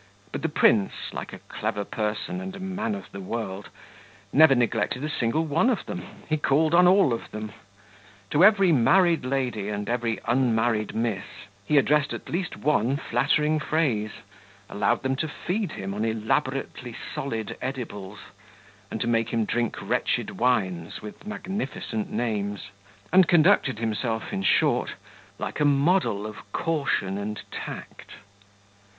But the prince, like a clever person and a man of the world, never neglected a single one of them; he called on all of them; to every married lady and every unmarried miss he addressed at least one flattering phrase, allowed them to feed him on elaborately solid edibles, and to make him drink wretched wines with magnificent names; and conducted himself, in short, like a model of caution and tact.